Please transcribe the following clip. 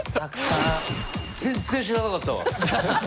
全然知らなかったわ。